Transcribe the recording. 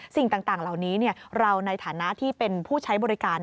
สิ่งต่างเหล่านี้เราในฐานะที่เป็นผู้ใช้บริการ